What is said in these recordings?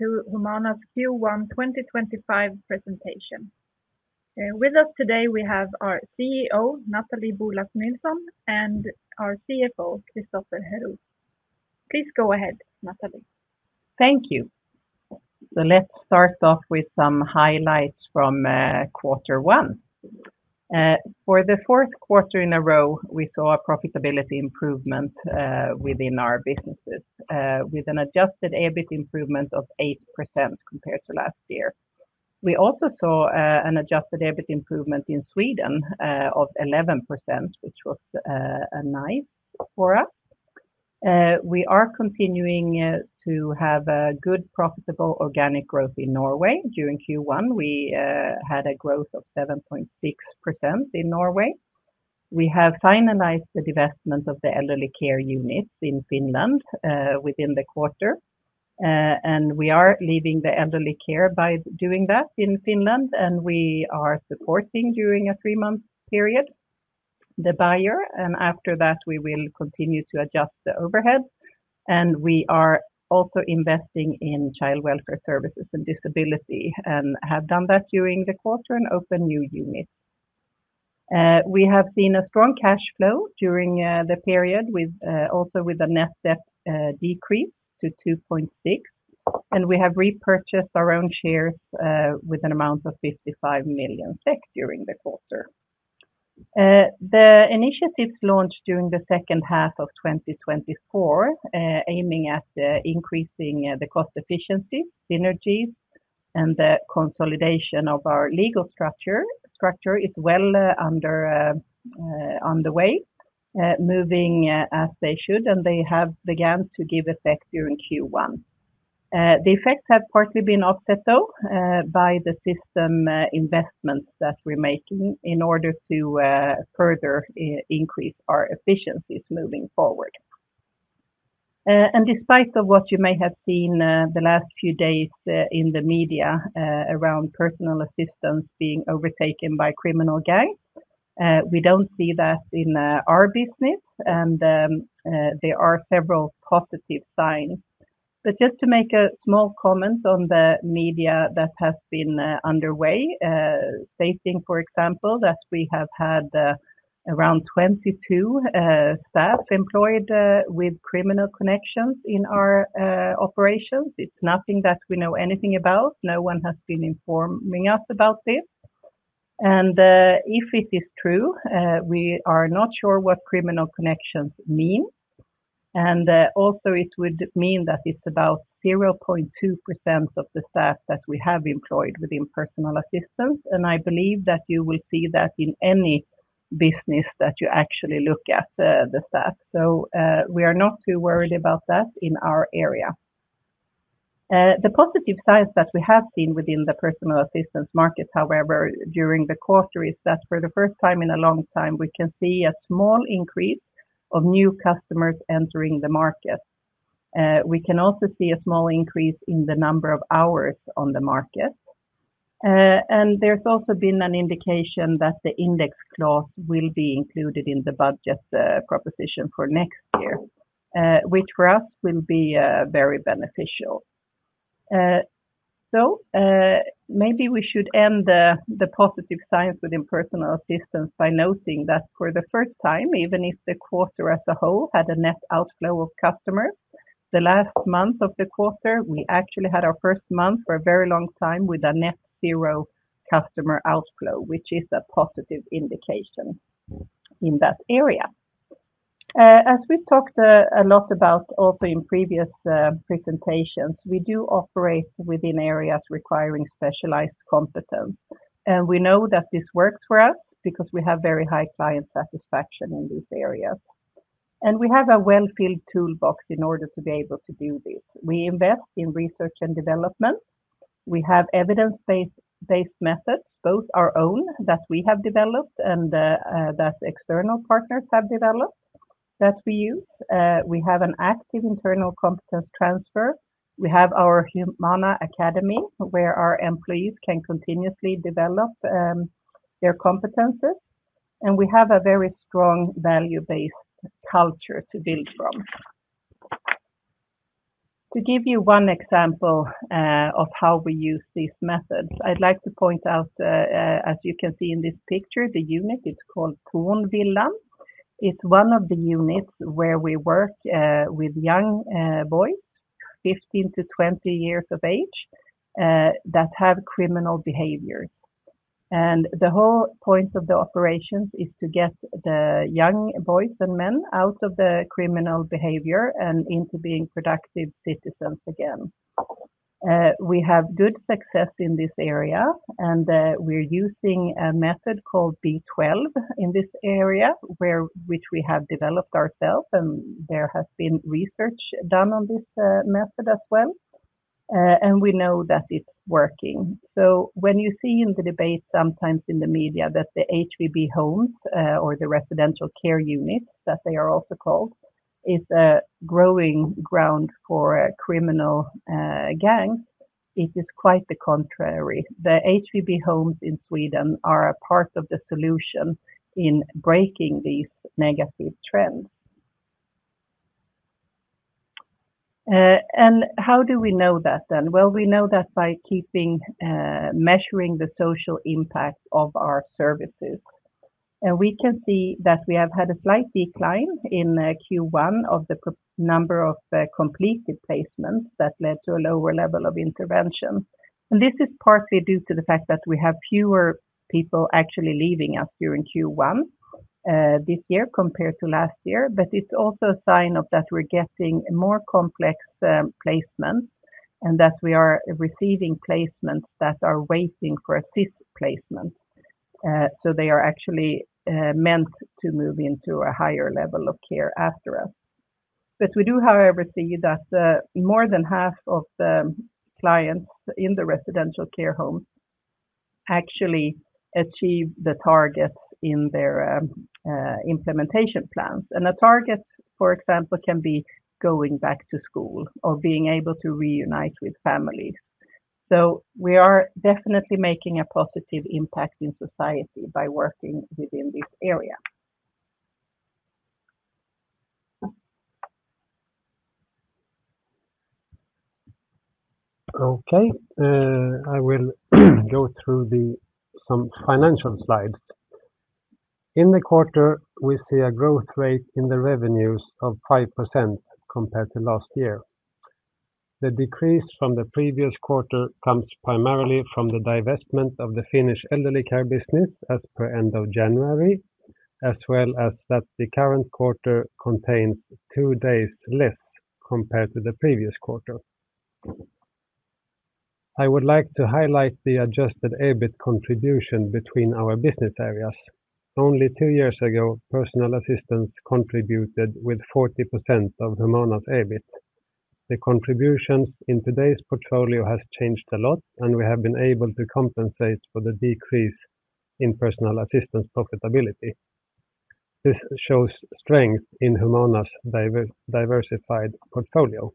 Come to Humana's Q1 2025 presentation. With us today, we have our CEO, Nathalie Boulas-Nilsson, and our CFO, Christopher Herou. Please go ahead, Nathalie. Thank you. Let's start off with some highlights from Quarter One. For the fourth quarter in a row, we saw a profitability improvement within our businesses, with an adjusted EBIT improvement of 8% compared to last year. We also saw an adjusted EBIT improvement in Sweden of 11%, which was nice for us. We are continuing to have good profitable organic growth in Norway. During Q1, we had a growth of 7.6% in Norway. We have finalized the divestment of the elderly care units in Finland within the quarter, and we are leaving the elderly care by doing that in Finland, and we are supporting during a three-month period the buyer. After that, we will continue to adjust the overhead. We are also investing in child welfare services and disability and have done that during the quarter and opened new units. We have seen a strong cash flow during the period, also with a net debt decrease to 2.6, and we have repurchased our own shares with an amount of 55 million SEK during the quarter. The initiatives launched during the second half of 2024, aiming at increasing the cost efficiencies, synergies, and the consolidation of our legal structure, is well underway, moving as they should, and they have begun to give effect during Q1. The effects have partly been offset, though, by the system investments that we're making in order to further increase our efficiencies moving forward. Despite what you may have seen the last few days in the media around personal assistance being overtaken by criminal gangs, we don't see that in our business, and there are several positive signs. Just to make a small comment on the media that has been underway, stating, for example, that we have had around 22 staff employed with criminal connections in our operations. It is nothing that we know anything about. No one has been informing us about this. If it is true, we are not sure what criminal connections mean. Also, it would mean that it is about 0.2% of the staff that we have employed within personal assistance, and I believe that you will see that in any business that you actually look at the staff. We are not too worried about that in our area. The positive signs that we have seen within the personal assistance market, however, during the quarter, is that for the first time in a long time, we can see a small increase of new customers entering the market. We can also see a small increase in the number of hours on the market. There has also been an indication that the index clause will be included in the budget proposition for next year, which for us will be very beneficial. Maybe we should end the positive signs within personal assistance by noting that for the first time, even if the quarter as a whole had a net outflow of customers, the last month of the quarter, we actually had our first month for a very long time with a net zero customer outflow, which is a positive indication in that area. As we have talked a lot about also in previous presentations, we do operate within areas requiring specialized competence. We know that this works for us because we have very high client satisfaction in these areas. We have a well-filled toolbox in order to be able to do this. We invest in research and development. We have evidence-based methods, both our own that we have developed and that external partners have developed, that we use. We have an active internal competence transfer. We have our Humana Academy, where our employees can continuously develop their competences. We have a very strong value-based culture to build from. To give you one example of how we use these methods, I'd like to point out, as you can see in this picture, the unit. It's called Torn Villa. It's one of the units where we work with young boys, 15 to 20 years of age, that have criminal behaviors. The whole point of the operations is to get the young boys and men out of the criminal behavior and into being productive citizens again. We have good success in this area, and we're using a method called B12 in this area, which we have developed ourselves, and there has been research done on this method as well. We know that it's working. You see in the debate sometimes in the media that the HVB homes or the residential care units, as they are also called, is a growing ground for criminal gangs, it is quite the contrary. The HVB homes in Sweden are a part of the solution in breaking these negative trends. How do we know that then? We know that by keeping measuring the social impact of our services. We can see that we have had a slight decline in Q1 of the number of completed placements that led to a lower level of intervention. This is partly due to the fact that we have fewer people actually leaving us during Q1 this year compared to last year. It is also a sign that we are getting more complex placements and that we are receiving placements that are waiting for assist placements. They are actually meant to move into a higher level of care after us. We do, however, see that more than half of the clients in the residential care homes actually achieve the targets in their implementation plans. A target, for example, can be going back to school or being able to reunite with families. We are definitely making a positive impact in society by working within this area. Okay. I will go through some financial slides. In the quarter, we see a growth rate in the revenues of 5% compared to last year. The decrease from the previous quarter comes primarily from the divestment of the Finnish elderly care business as per end of January, as well as that the current quarter contains two days less compared to the previous quarter. I would like to highlight the adjusted EBIT contribution between our business areas. Only two years ago, personal assistance contributed with 40% of Humana's EBIT. The contributions in today's portfolio have changed a lot, and we have been able to compensate for the decrease in personal assistance profitability. This shows strength in Humana's diversified portfolio.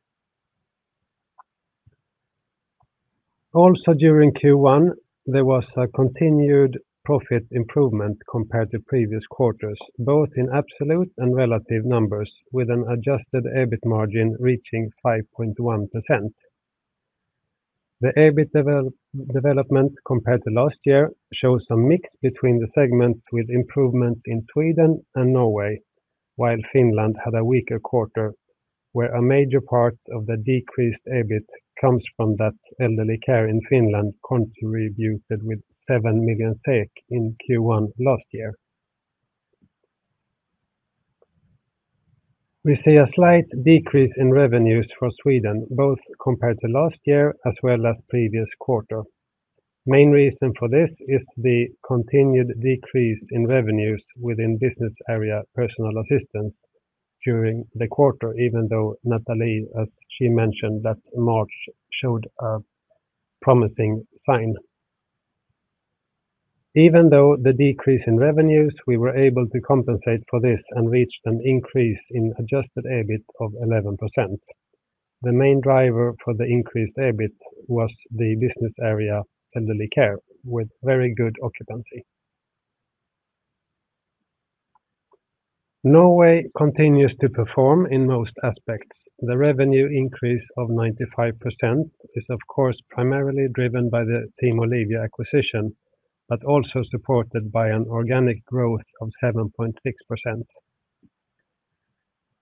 Also, during Q1, there was a continued profit improvement compared to previous quarters, both in absolute and relative numbers, with an adjusted EBIT margin reaching 5.1%. The EBIT development compared to last year shows a mix between the segments with improvements in Sweden and Norway, while Finland had a weaker quarter, where a major part of the decreased EBIT comes from that elderly care in Finland contributed with 7 million SEK in Q1 last year. We see a slight decrease in revenues for Sweden, both compared to last year as well as previous quarter. The main reason for this is the continued decrease in revenues within business area personal assistance during the quarter, even though Nathalie, as she mentioned, that March showed a promising sign. Even though the decrease in revenues, we were able to compensate for this and reached an increase in adjusted EBIT of 11%. The main driver for the increased EBIT was the business area elderly care with very good occupancy. Norway continues to perform in most aspects. The revenue increase of 95% is, of course, primarily driven by the Team Olivia acquisition, but also supported by an organic growth of 7.6%.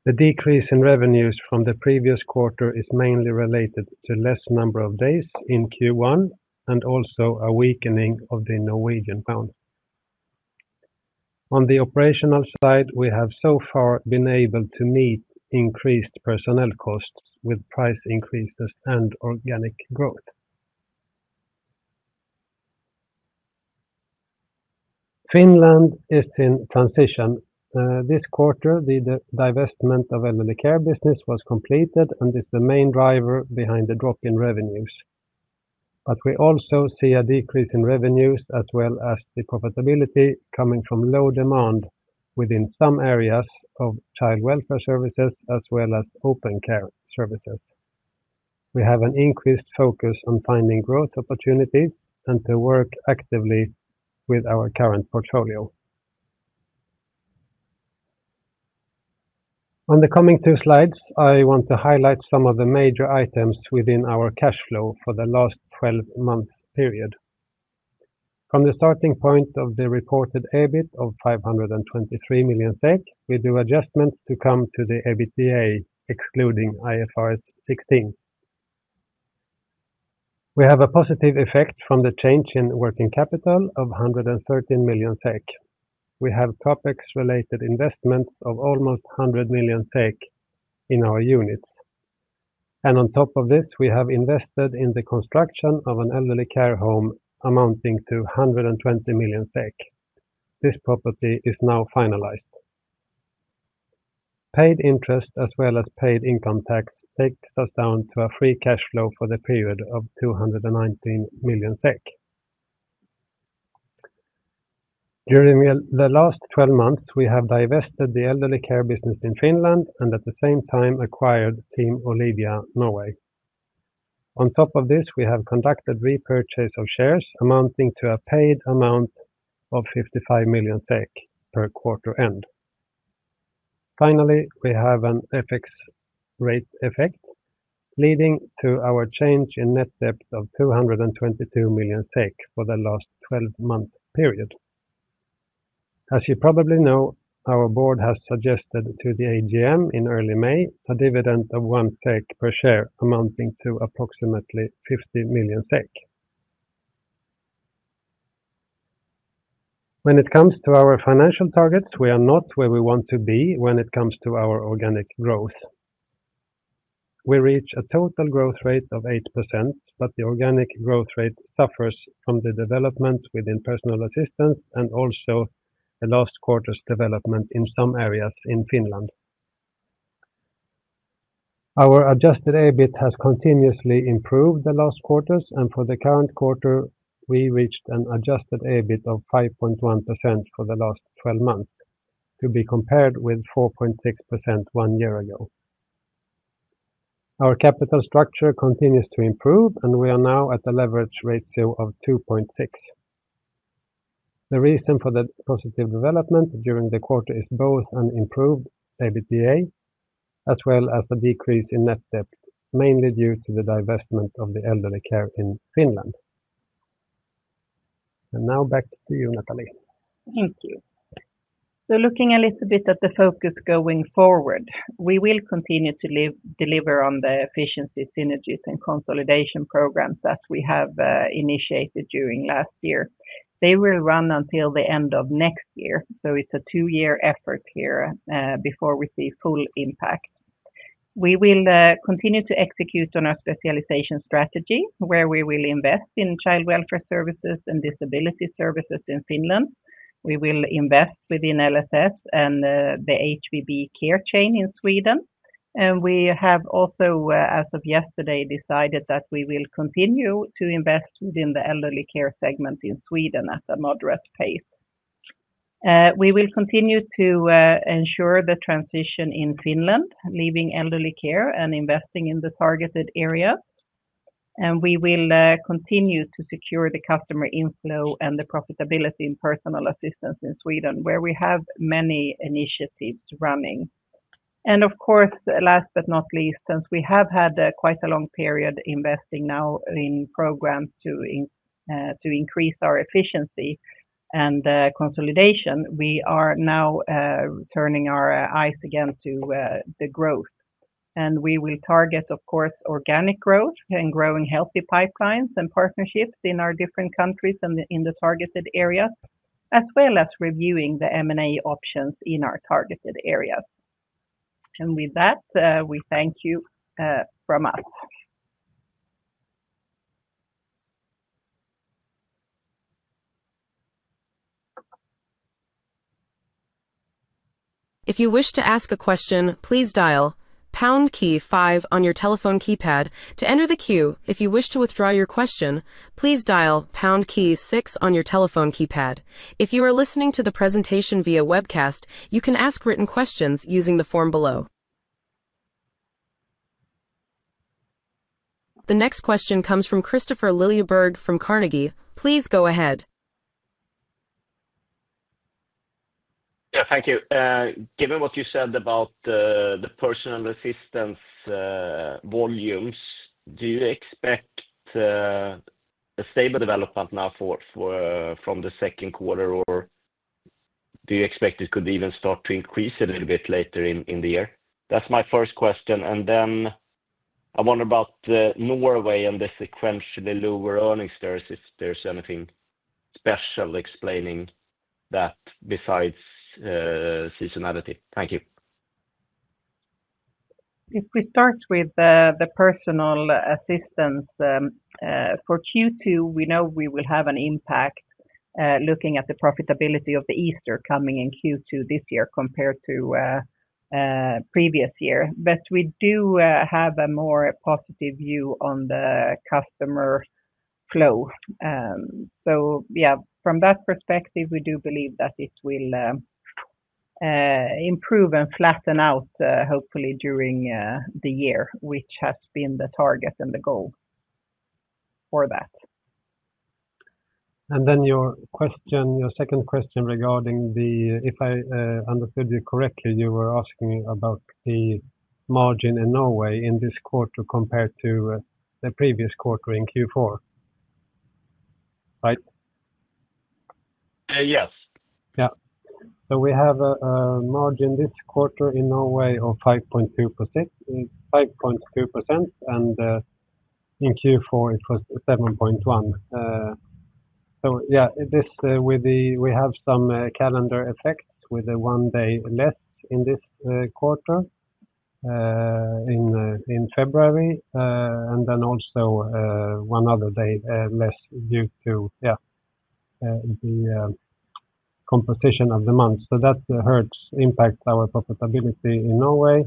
The decrease in revenues from the previous quarter is mainly related to the less number of days in Q1 and also a weakening of the Norwegian krone. On the operational side, we have so far been able to meet increased personnel costs with price increases and organic growth. Finland is in transition. This quarter, the divestment of elderly care business was completed, and it's the main driver behind the drop in revenues. We also see a decrease in revenues as well as the profitability coming from low demand within some areas of child welfare services as well as open care services. We have an increased focus on finding growth opportunities and to work actively with our current portfolio. On the coming two slides, I want to highlight some of the major items within our cash flow for the last 12 months period. From the starting point of the reported EBIT of 523 million SEK, we do adjustments to come to the EBITDA, excluding IFRS 16. We have a positive effect from the change in working capital of 113 million SEK. We have topics-related investments of almost 100 million SEK in our units. On top of this, we have invested in the construction of an elderly care home amounting to 120 million SEK. This property is now finalized. Paid interest as well as paid income tax takes us down to a free cash flow for the period of 219 million SEK. During the last 12 months, we have divested the elderly care business in Finland and at the same time acquired Team Olivia Norway. On top of this, we have conducted repurchase of shares amounting to a paid amount of 55 million SEK per quarter end. Finally, we have an FX rate effect leading to our change in net debt of 222 million SEK for the last 12-month period. As you probably know, our board has suggested to the AGM in early May a dividend of 1 SEK per share amounting to approximately 50 million SEK. When it comes to our financial targets, we are not where we want to be when it comes to our organic growth. We reach a total growth rate of 8%, but the organic growth rate suffers from the development within personal assistance and also the last quarter's development in some areas in Finland. Our adjusted EBIT has continuously improved the last quarters, and for the current quarter, we reached an adjusted EBIT of 5.1% for the last 12 months to be compared with 4.6% one year ago. Our capital structure continues to improve, and we are now at a leverage ratio of 2.6. The reason for the positive development during the quarter is both an improved EBITDA as well as a decrease in net debt, mainly due to the divestment of the elderly care in Finland. Now back to you, Nathalie. Thank you. Looking a little bit at the focus going forward, we will continue to deliver on the efficiency synergies and consolidation programs that we have initiated during last year. They will run until the end of next year. It is a two-year effort here before we see full impact. We will continue to execute on our specialization strategy, where we will invest in child welfare services and disability services in Finland. We will invest within LSS and the HVB care chain in Sweden. We have also, as of yesterday, decided that we will continue to invest within the elderly care segment in Sweden at a moderate pace. We will continue to ensure the transition in Finland, leaving elderly care and investing in the targeted areas. We will continue to secure the customer inflow and the profitability in personal assistance in Sweden, where we have many initiatives running. Of course, last but not least, since we have had quite a long period investing now in programs to increase our efficiency and consolidation, we are now turning our eyes again to the growth. We will target, of course, organic growth and growing healthy pipelines and partnerships in our different countries and in the targeted areas, as well as reviewing the M&A options in our targeted areas. With that, we thank you from us. If you wish to ask a question, please dial pound key five on your telephone keypad to enter the queue. If you wish to withdraw your question, please dial pound key six on your telephone keypad. If you are listening to the presentation via webcast, you can ask written questions using the form below. The next question comes from Christopher Liljeberg from Carnegie. Please go ahead. Yeah, thank you. Given what you said about the personal assistance volumes, do you expect a stable development now from the second quarter, or do you expect it could even start to increase a little bit later in the year? That is my first question. I wonder about Norway and the sequentially lower earnings there if there is anything special explaining that besides seasonality. Thank you. If we start with the personal assistance, for Q2, we know we will have an impact looking at the profitability of the Easter coming in Q2 this year compared to the previous year. We do have a more positive view on the customer flow. From that perspective, we do believe that it will improve and flatten out, hopefully, during the year, which has been the target and the goal for that. Your second question regarding the, if I understood you correctly, you were asking about the margin in Norway in this quarter compared to the previous quarter in Q4, right? Yes. Yeah. We have a margin this quarter in Norway of 5.2%, and in Q4, it was 7.1%. We have some calendar effects with one day less in this quarter in February, and then also one other day less due to the composition of the month. That impacts our profitability in Norway.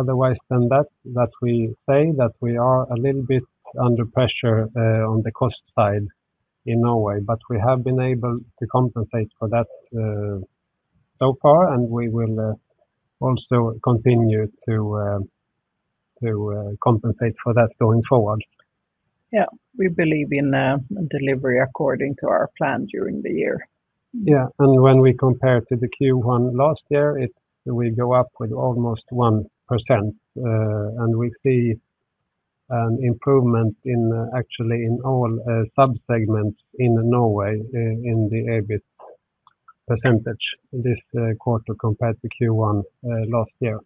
Otherwise than that, we say that we are a little bit under pressure on the cost side in Norway, but we have been able to compensate for that so far, and we will also continue to compensate for that going forward. Yeah, we believe in delivery according to our plan during the year. Yeah. When we compare to the Q1 last year, we go up with almost 1%, and we see an improvement actually in all subsegments in Norway in the EBIT percentage this quarter compared to Q1 last year.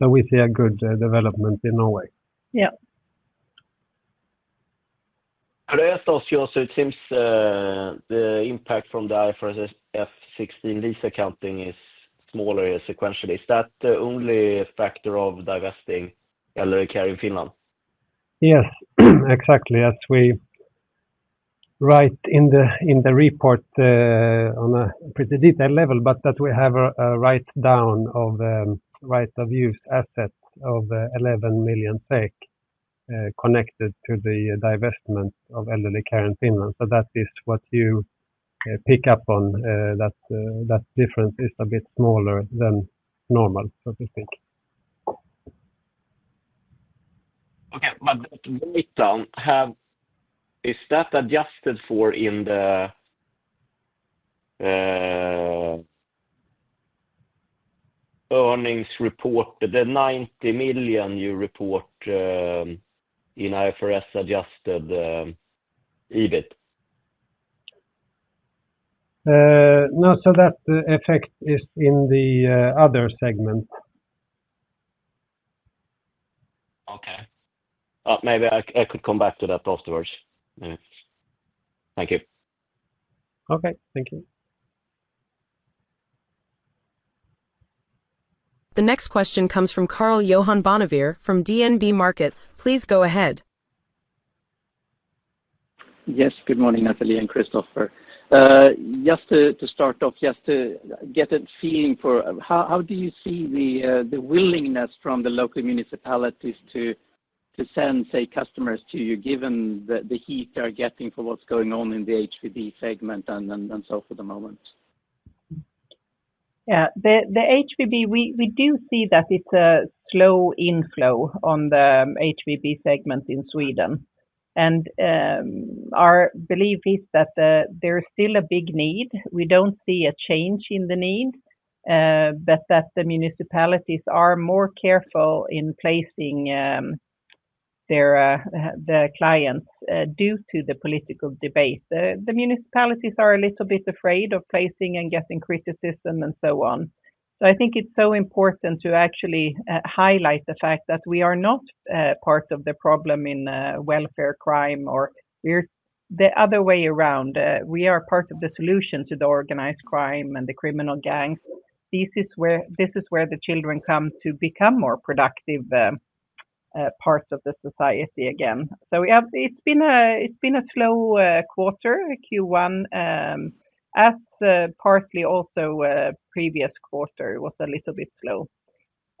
We see a good development in Norway. Yeah. Today, I asked also if the impact from the IFRS 16 lease accounting is smaller sequentially. Is that the only factor of divesting elderly care in Finland? Yes, exactly. As we write in the report on a pretty detailed level, but that we have a write-down of right-of-use assets of 11 million connected to the divestment of elderly care in Finland. That is what you pick up on, that difference is a bit smaller than normal, so to speak. Okay. But the write-down, is that adjusted for in the earnings report, the 90 million you report in IFRS adjusted EBIT? No, so that effect is in the other segment. Okay. Maybe I could come back to that afterwards. Thank you. Okay. Thank you. The next question comes from Carl Johan Bonnevier from DNB Markets. Please go ahead. Yes, good morning, Nathalie and Christopher. Just to start off, just to get a feeling for how do you see the willingness from the local municipalities to send, say, customers to you, given the heat they're getting for what's going on in the HVB segment and so for the moment? Yeah. The HVB, we do see that it's a slow inflow on the HVB segment in Sweden. And our belief is that there is still a big need. We don't see a change in the need, but that the municipalities are more careful in placing their clients due to the political debate. The municipalities are a little bit afraid of placing and getting criticism and so on. I think it's so important to actually highlight the fact that we are not part of the problem in welfare crime or the other way around. We are part of the solution to the organized crime and the criminal gangs. This is where the children come to become more productive parts of the society again. It has been a slow quarter, Q1, as partly also previous quarter was a little bit slow.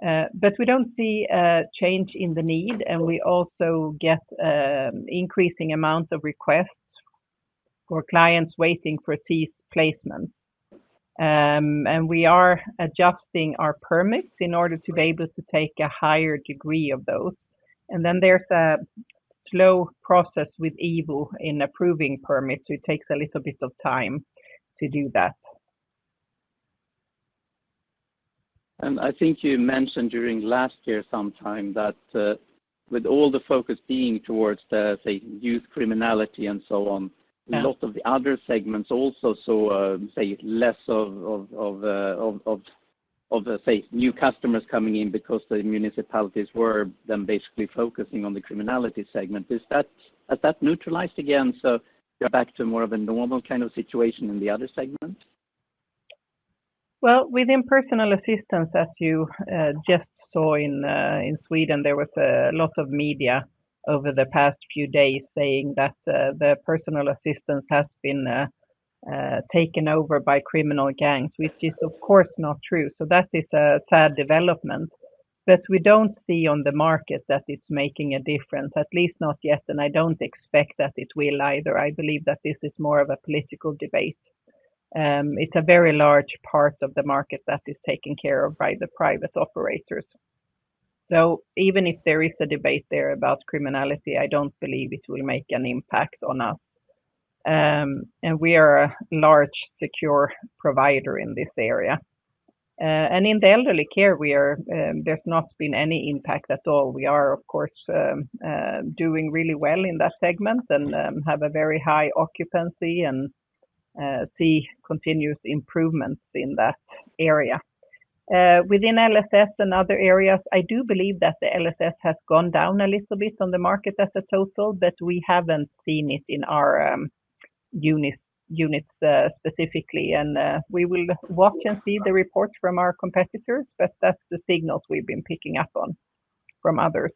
We do not see a change in the need, and we also get increasing amounts of requests for clients waiting for these placements. We are adjusting our permits in order to be able to take a higher degree of those. There is a slow process with EVU in approving permits. It takes a little bit of time to do that. I think you mentioned during last year sometime that with all the focus being towards the, say, youth criminality and so on, a lot of the other segments also saw, say, less of, say, new customers coming in because the municipalities were then basically focusing on the criminality segment. Is that neutralized again? Back to more of a normal kind of situation in the other segment? Within personal assistance, as you just saw in Sweden, there was a lot of media over the past few days saying that the personal assistance has been taken over by criminal gangs, which is, of course, not true. That is a sad development. We do not see on the market that it is making a difference, at least not yet, and I do not expect that it will either. I believe that this is more of a political debate. It is a very large part of the market that is taken care of by the private operators. Even if there is a debate there about criminality, I do not believe it will make an impact on us. We are a large secure provider in this area. In the elderly care, there has not been any impact at all. We are, of course, doing really well in that segment and have a very high occupancy and see continuous improvements in that area. Within LSS and other areas, I do believe that the LSS has gone down a little bit on the market as a total, but we have not seen it in our units specifically. We will watch and see the reports from our competitors, but that is the signals we have been picking up on from others.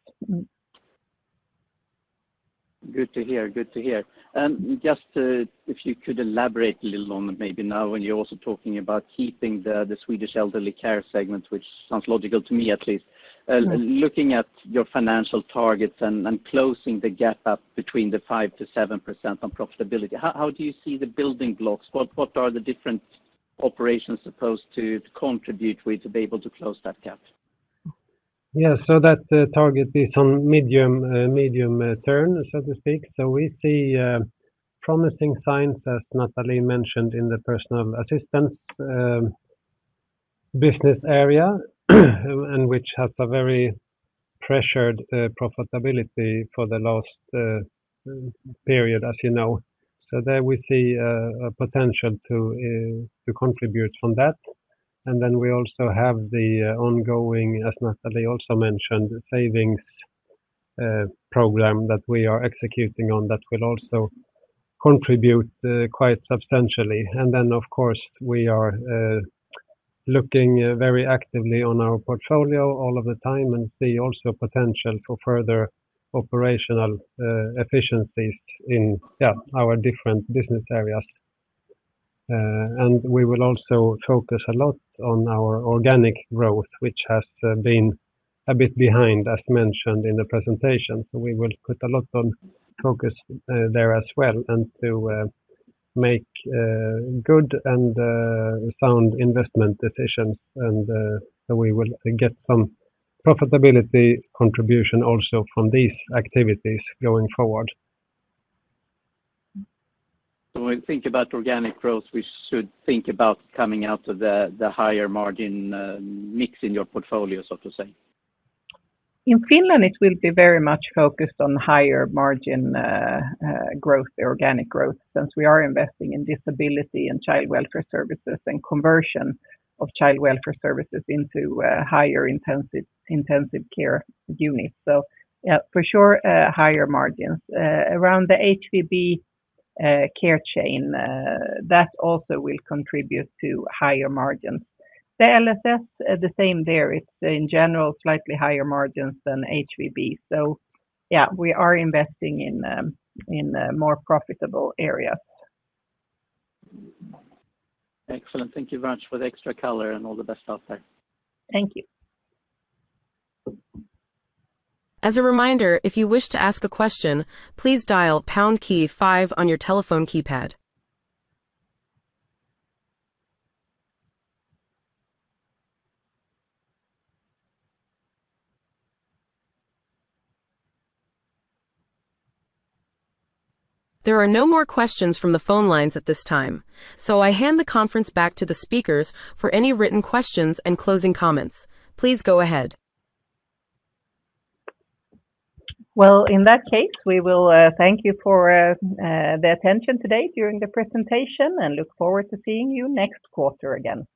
Good to hear. Good to hear. If you could elaborate a little on maybe now when you're also talking about keeping the Swedish elderly care segment, which sounds logical to me at least, looking at your financial targets and closing the gap up between the 5-7% on profitability, how do you see the building blocks? What are the different operations supposed to contribute to be able to close that gap? Yeah, that target is on medium term, so to speak. We see promising signs, as Nathalie mentioned, in the personal assistance business area, which has had very pressured profitability for the last period, as you know. There we see a potential to contribute from that. We also have the ongoing, as Nathalie also mentioned, savings program that we are executing on that will also contribute quite substantially. Of course, we are looking very actively on our portfolio all of the time and see also potential for further operational efficiencies in our different business areas. We will also focus a lot on our organic growth, which has been a bit behind, as mentioned in the presentation. We will put a lot of focus there as well and to make good and sound investment decisions. We will get some profitability contribution also from these activities going forward. When we think about organic growth, we should think about coming out of the higher margin mix in your portfolio, so to say? In Finland, it will be very much focused on higher margin growth, organic growth, since we are investing in disability and child welfare services and conversion of child welfare services into higher intensive care units. For sure, higher margins. Around the HVB care chain, that also will contribute to higher margins. The LSS, the same there. It is in general slightly higher margins than HVB. Yeah, we are investing in more profitable areas. Excellent. Thank you very much for the extra color and all the best out there. Thank you. As a reminder, if you wish to ask a question, please dial pound keyb five on your telephone keypad. There are no more questions from the phone lines at this time, so I hand the conference back to the speakers for any written questions and closing comments. Please go ahead. In that case, we will thank you for the attention today during the presentation and look forward to seeing you next quarter again.